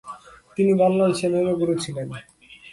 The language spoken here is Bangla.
তিনি বল্লাল সেনেরও গুরু ছিলেন।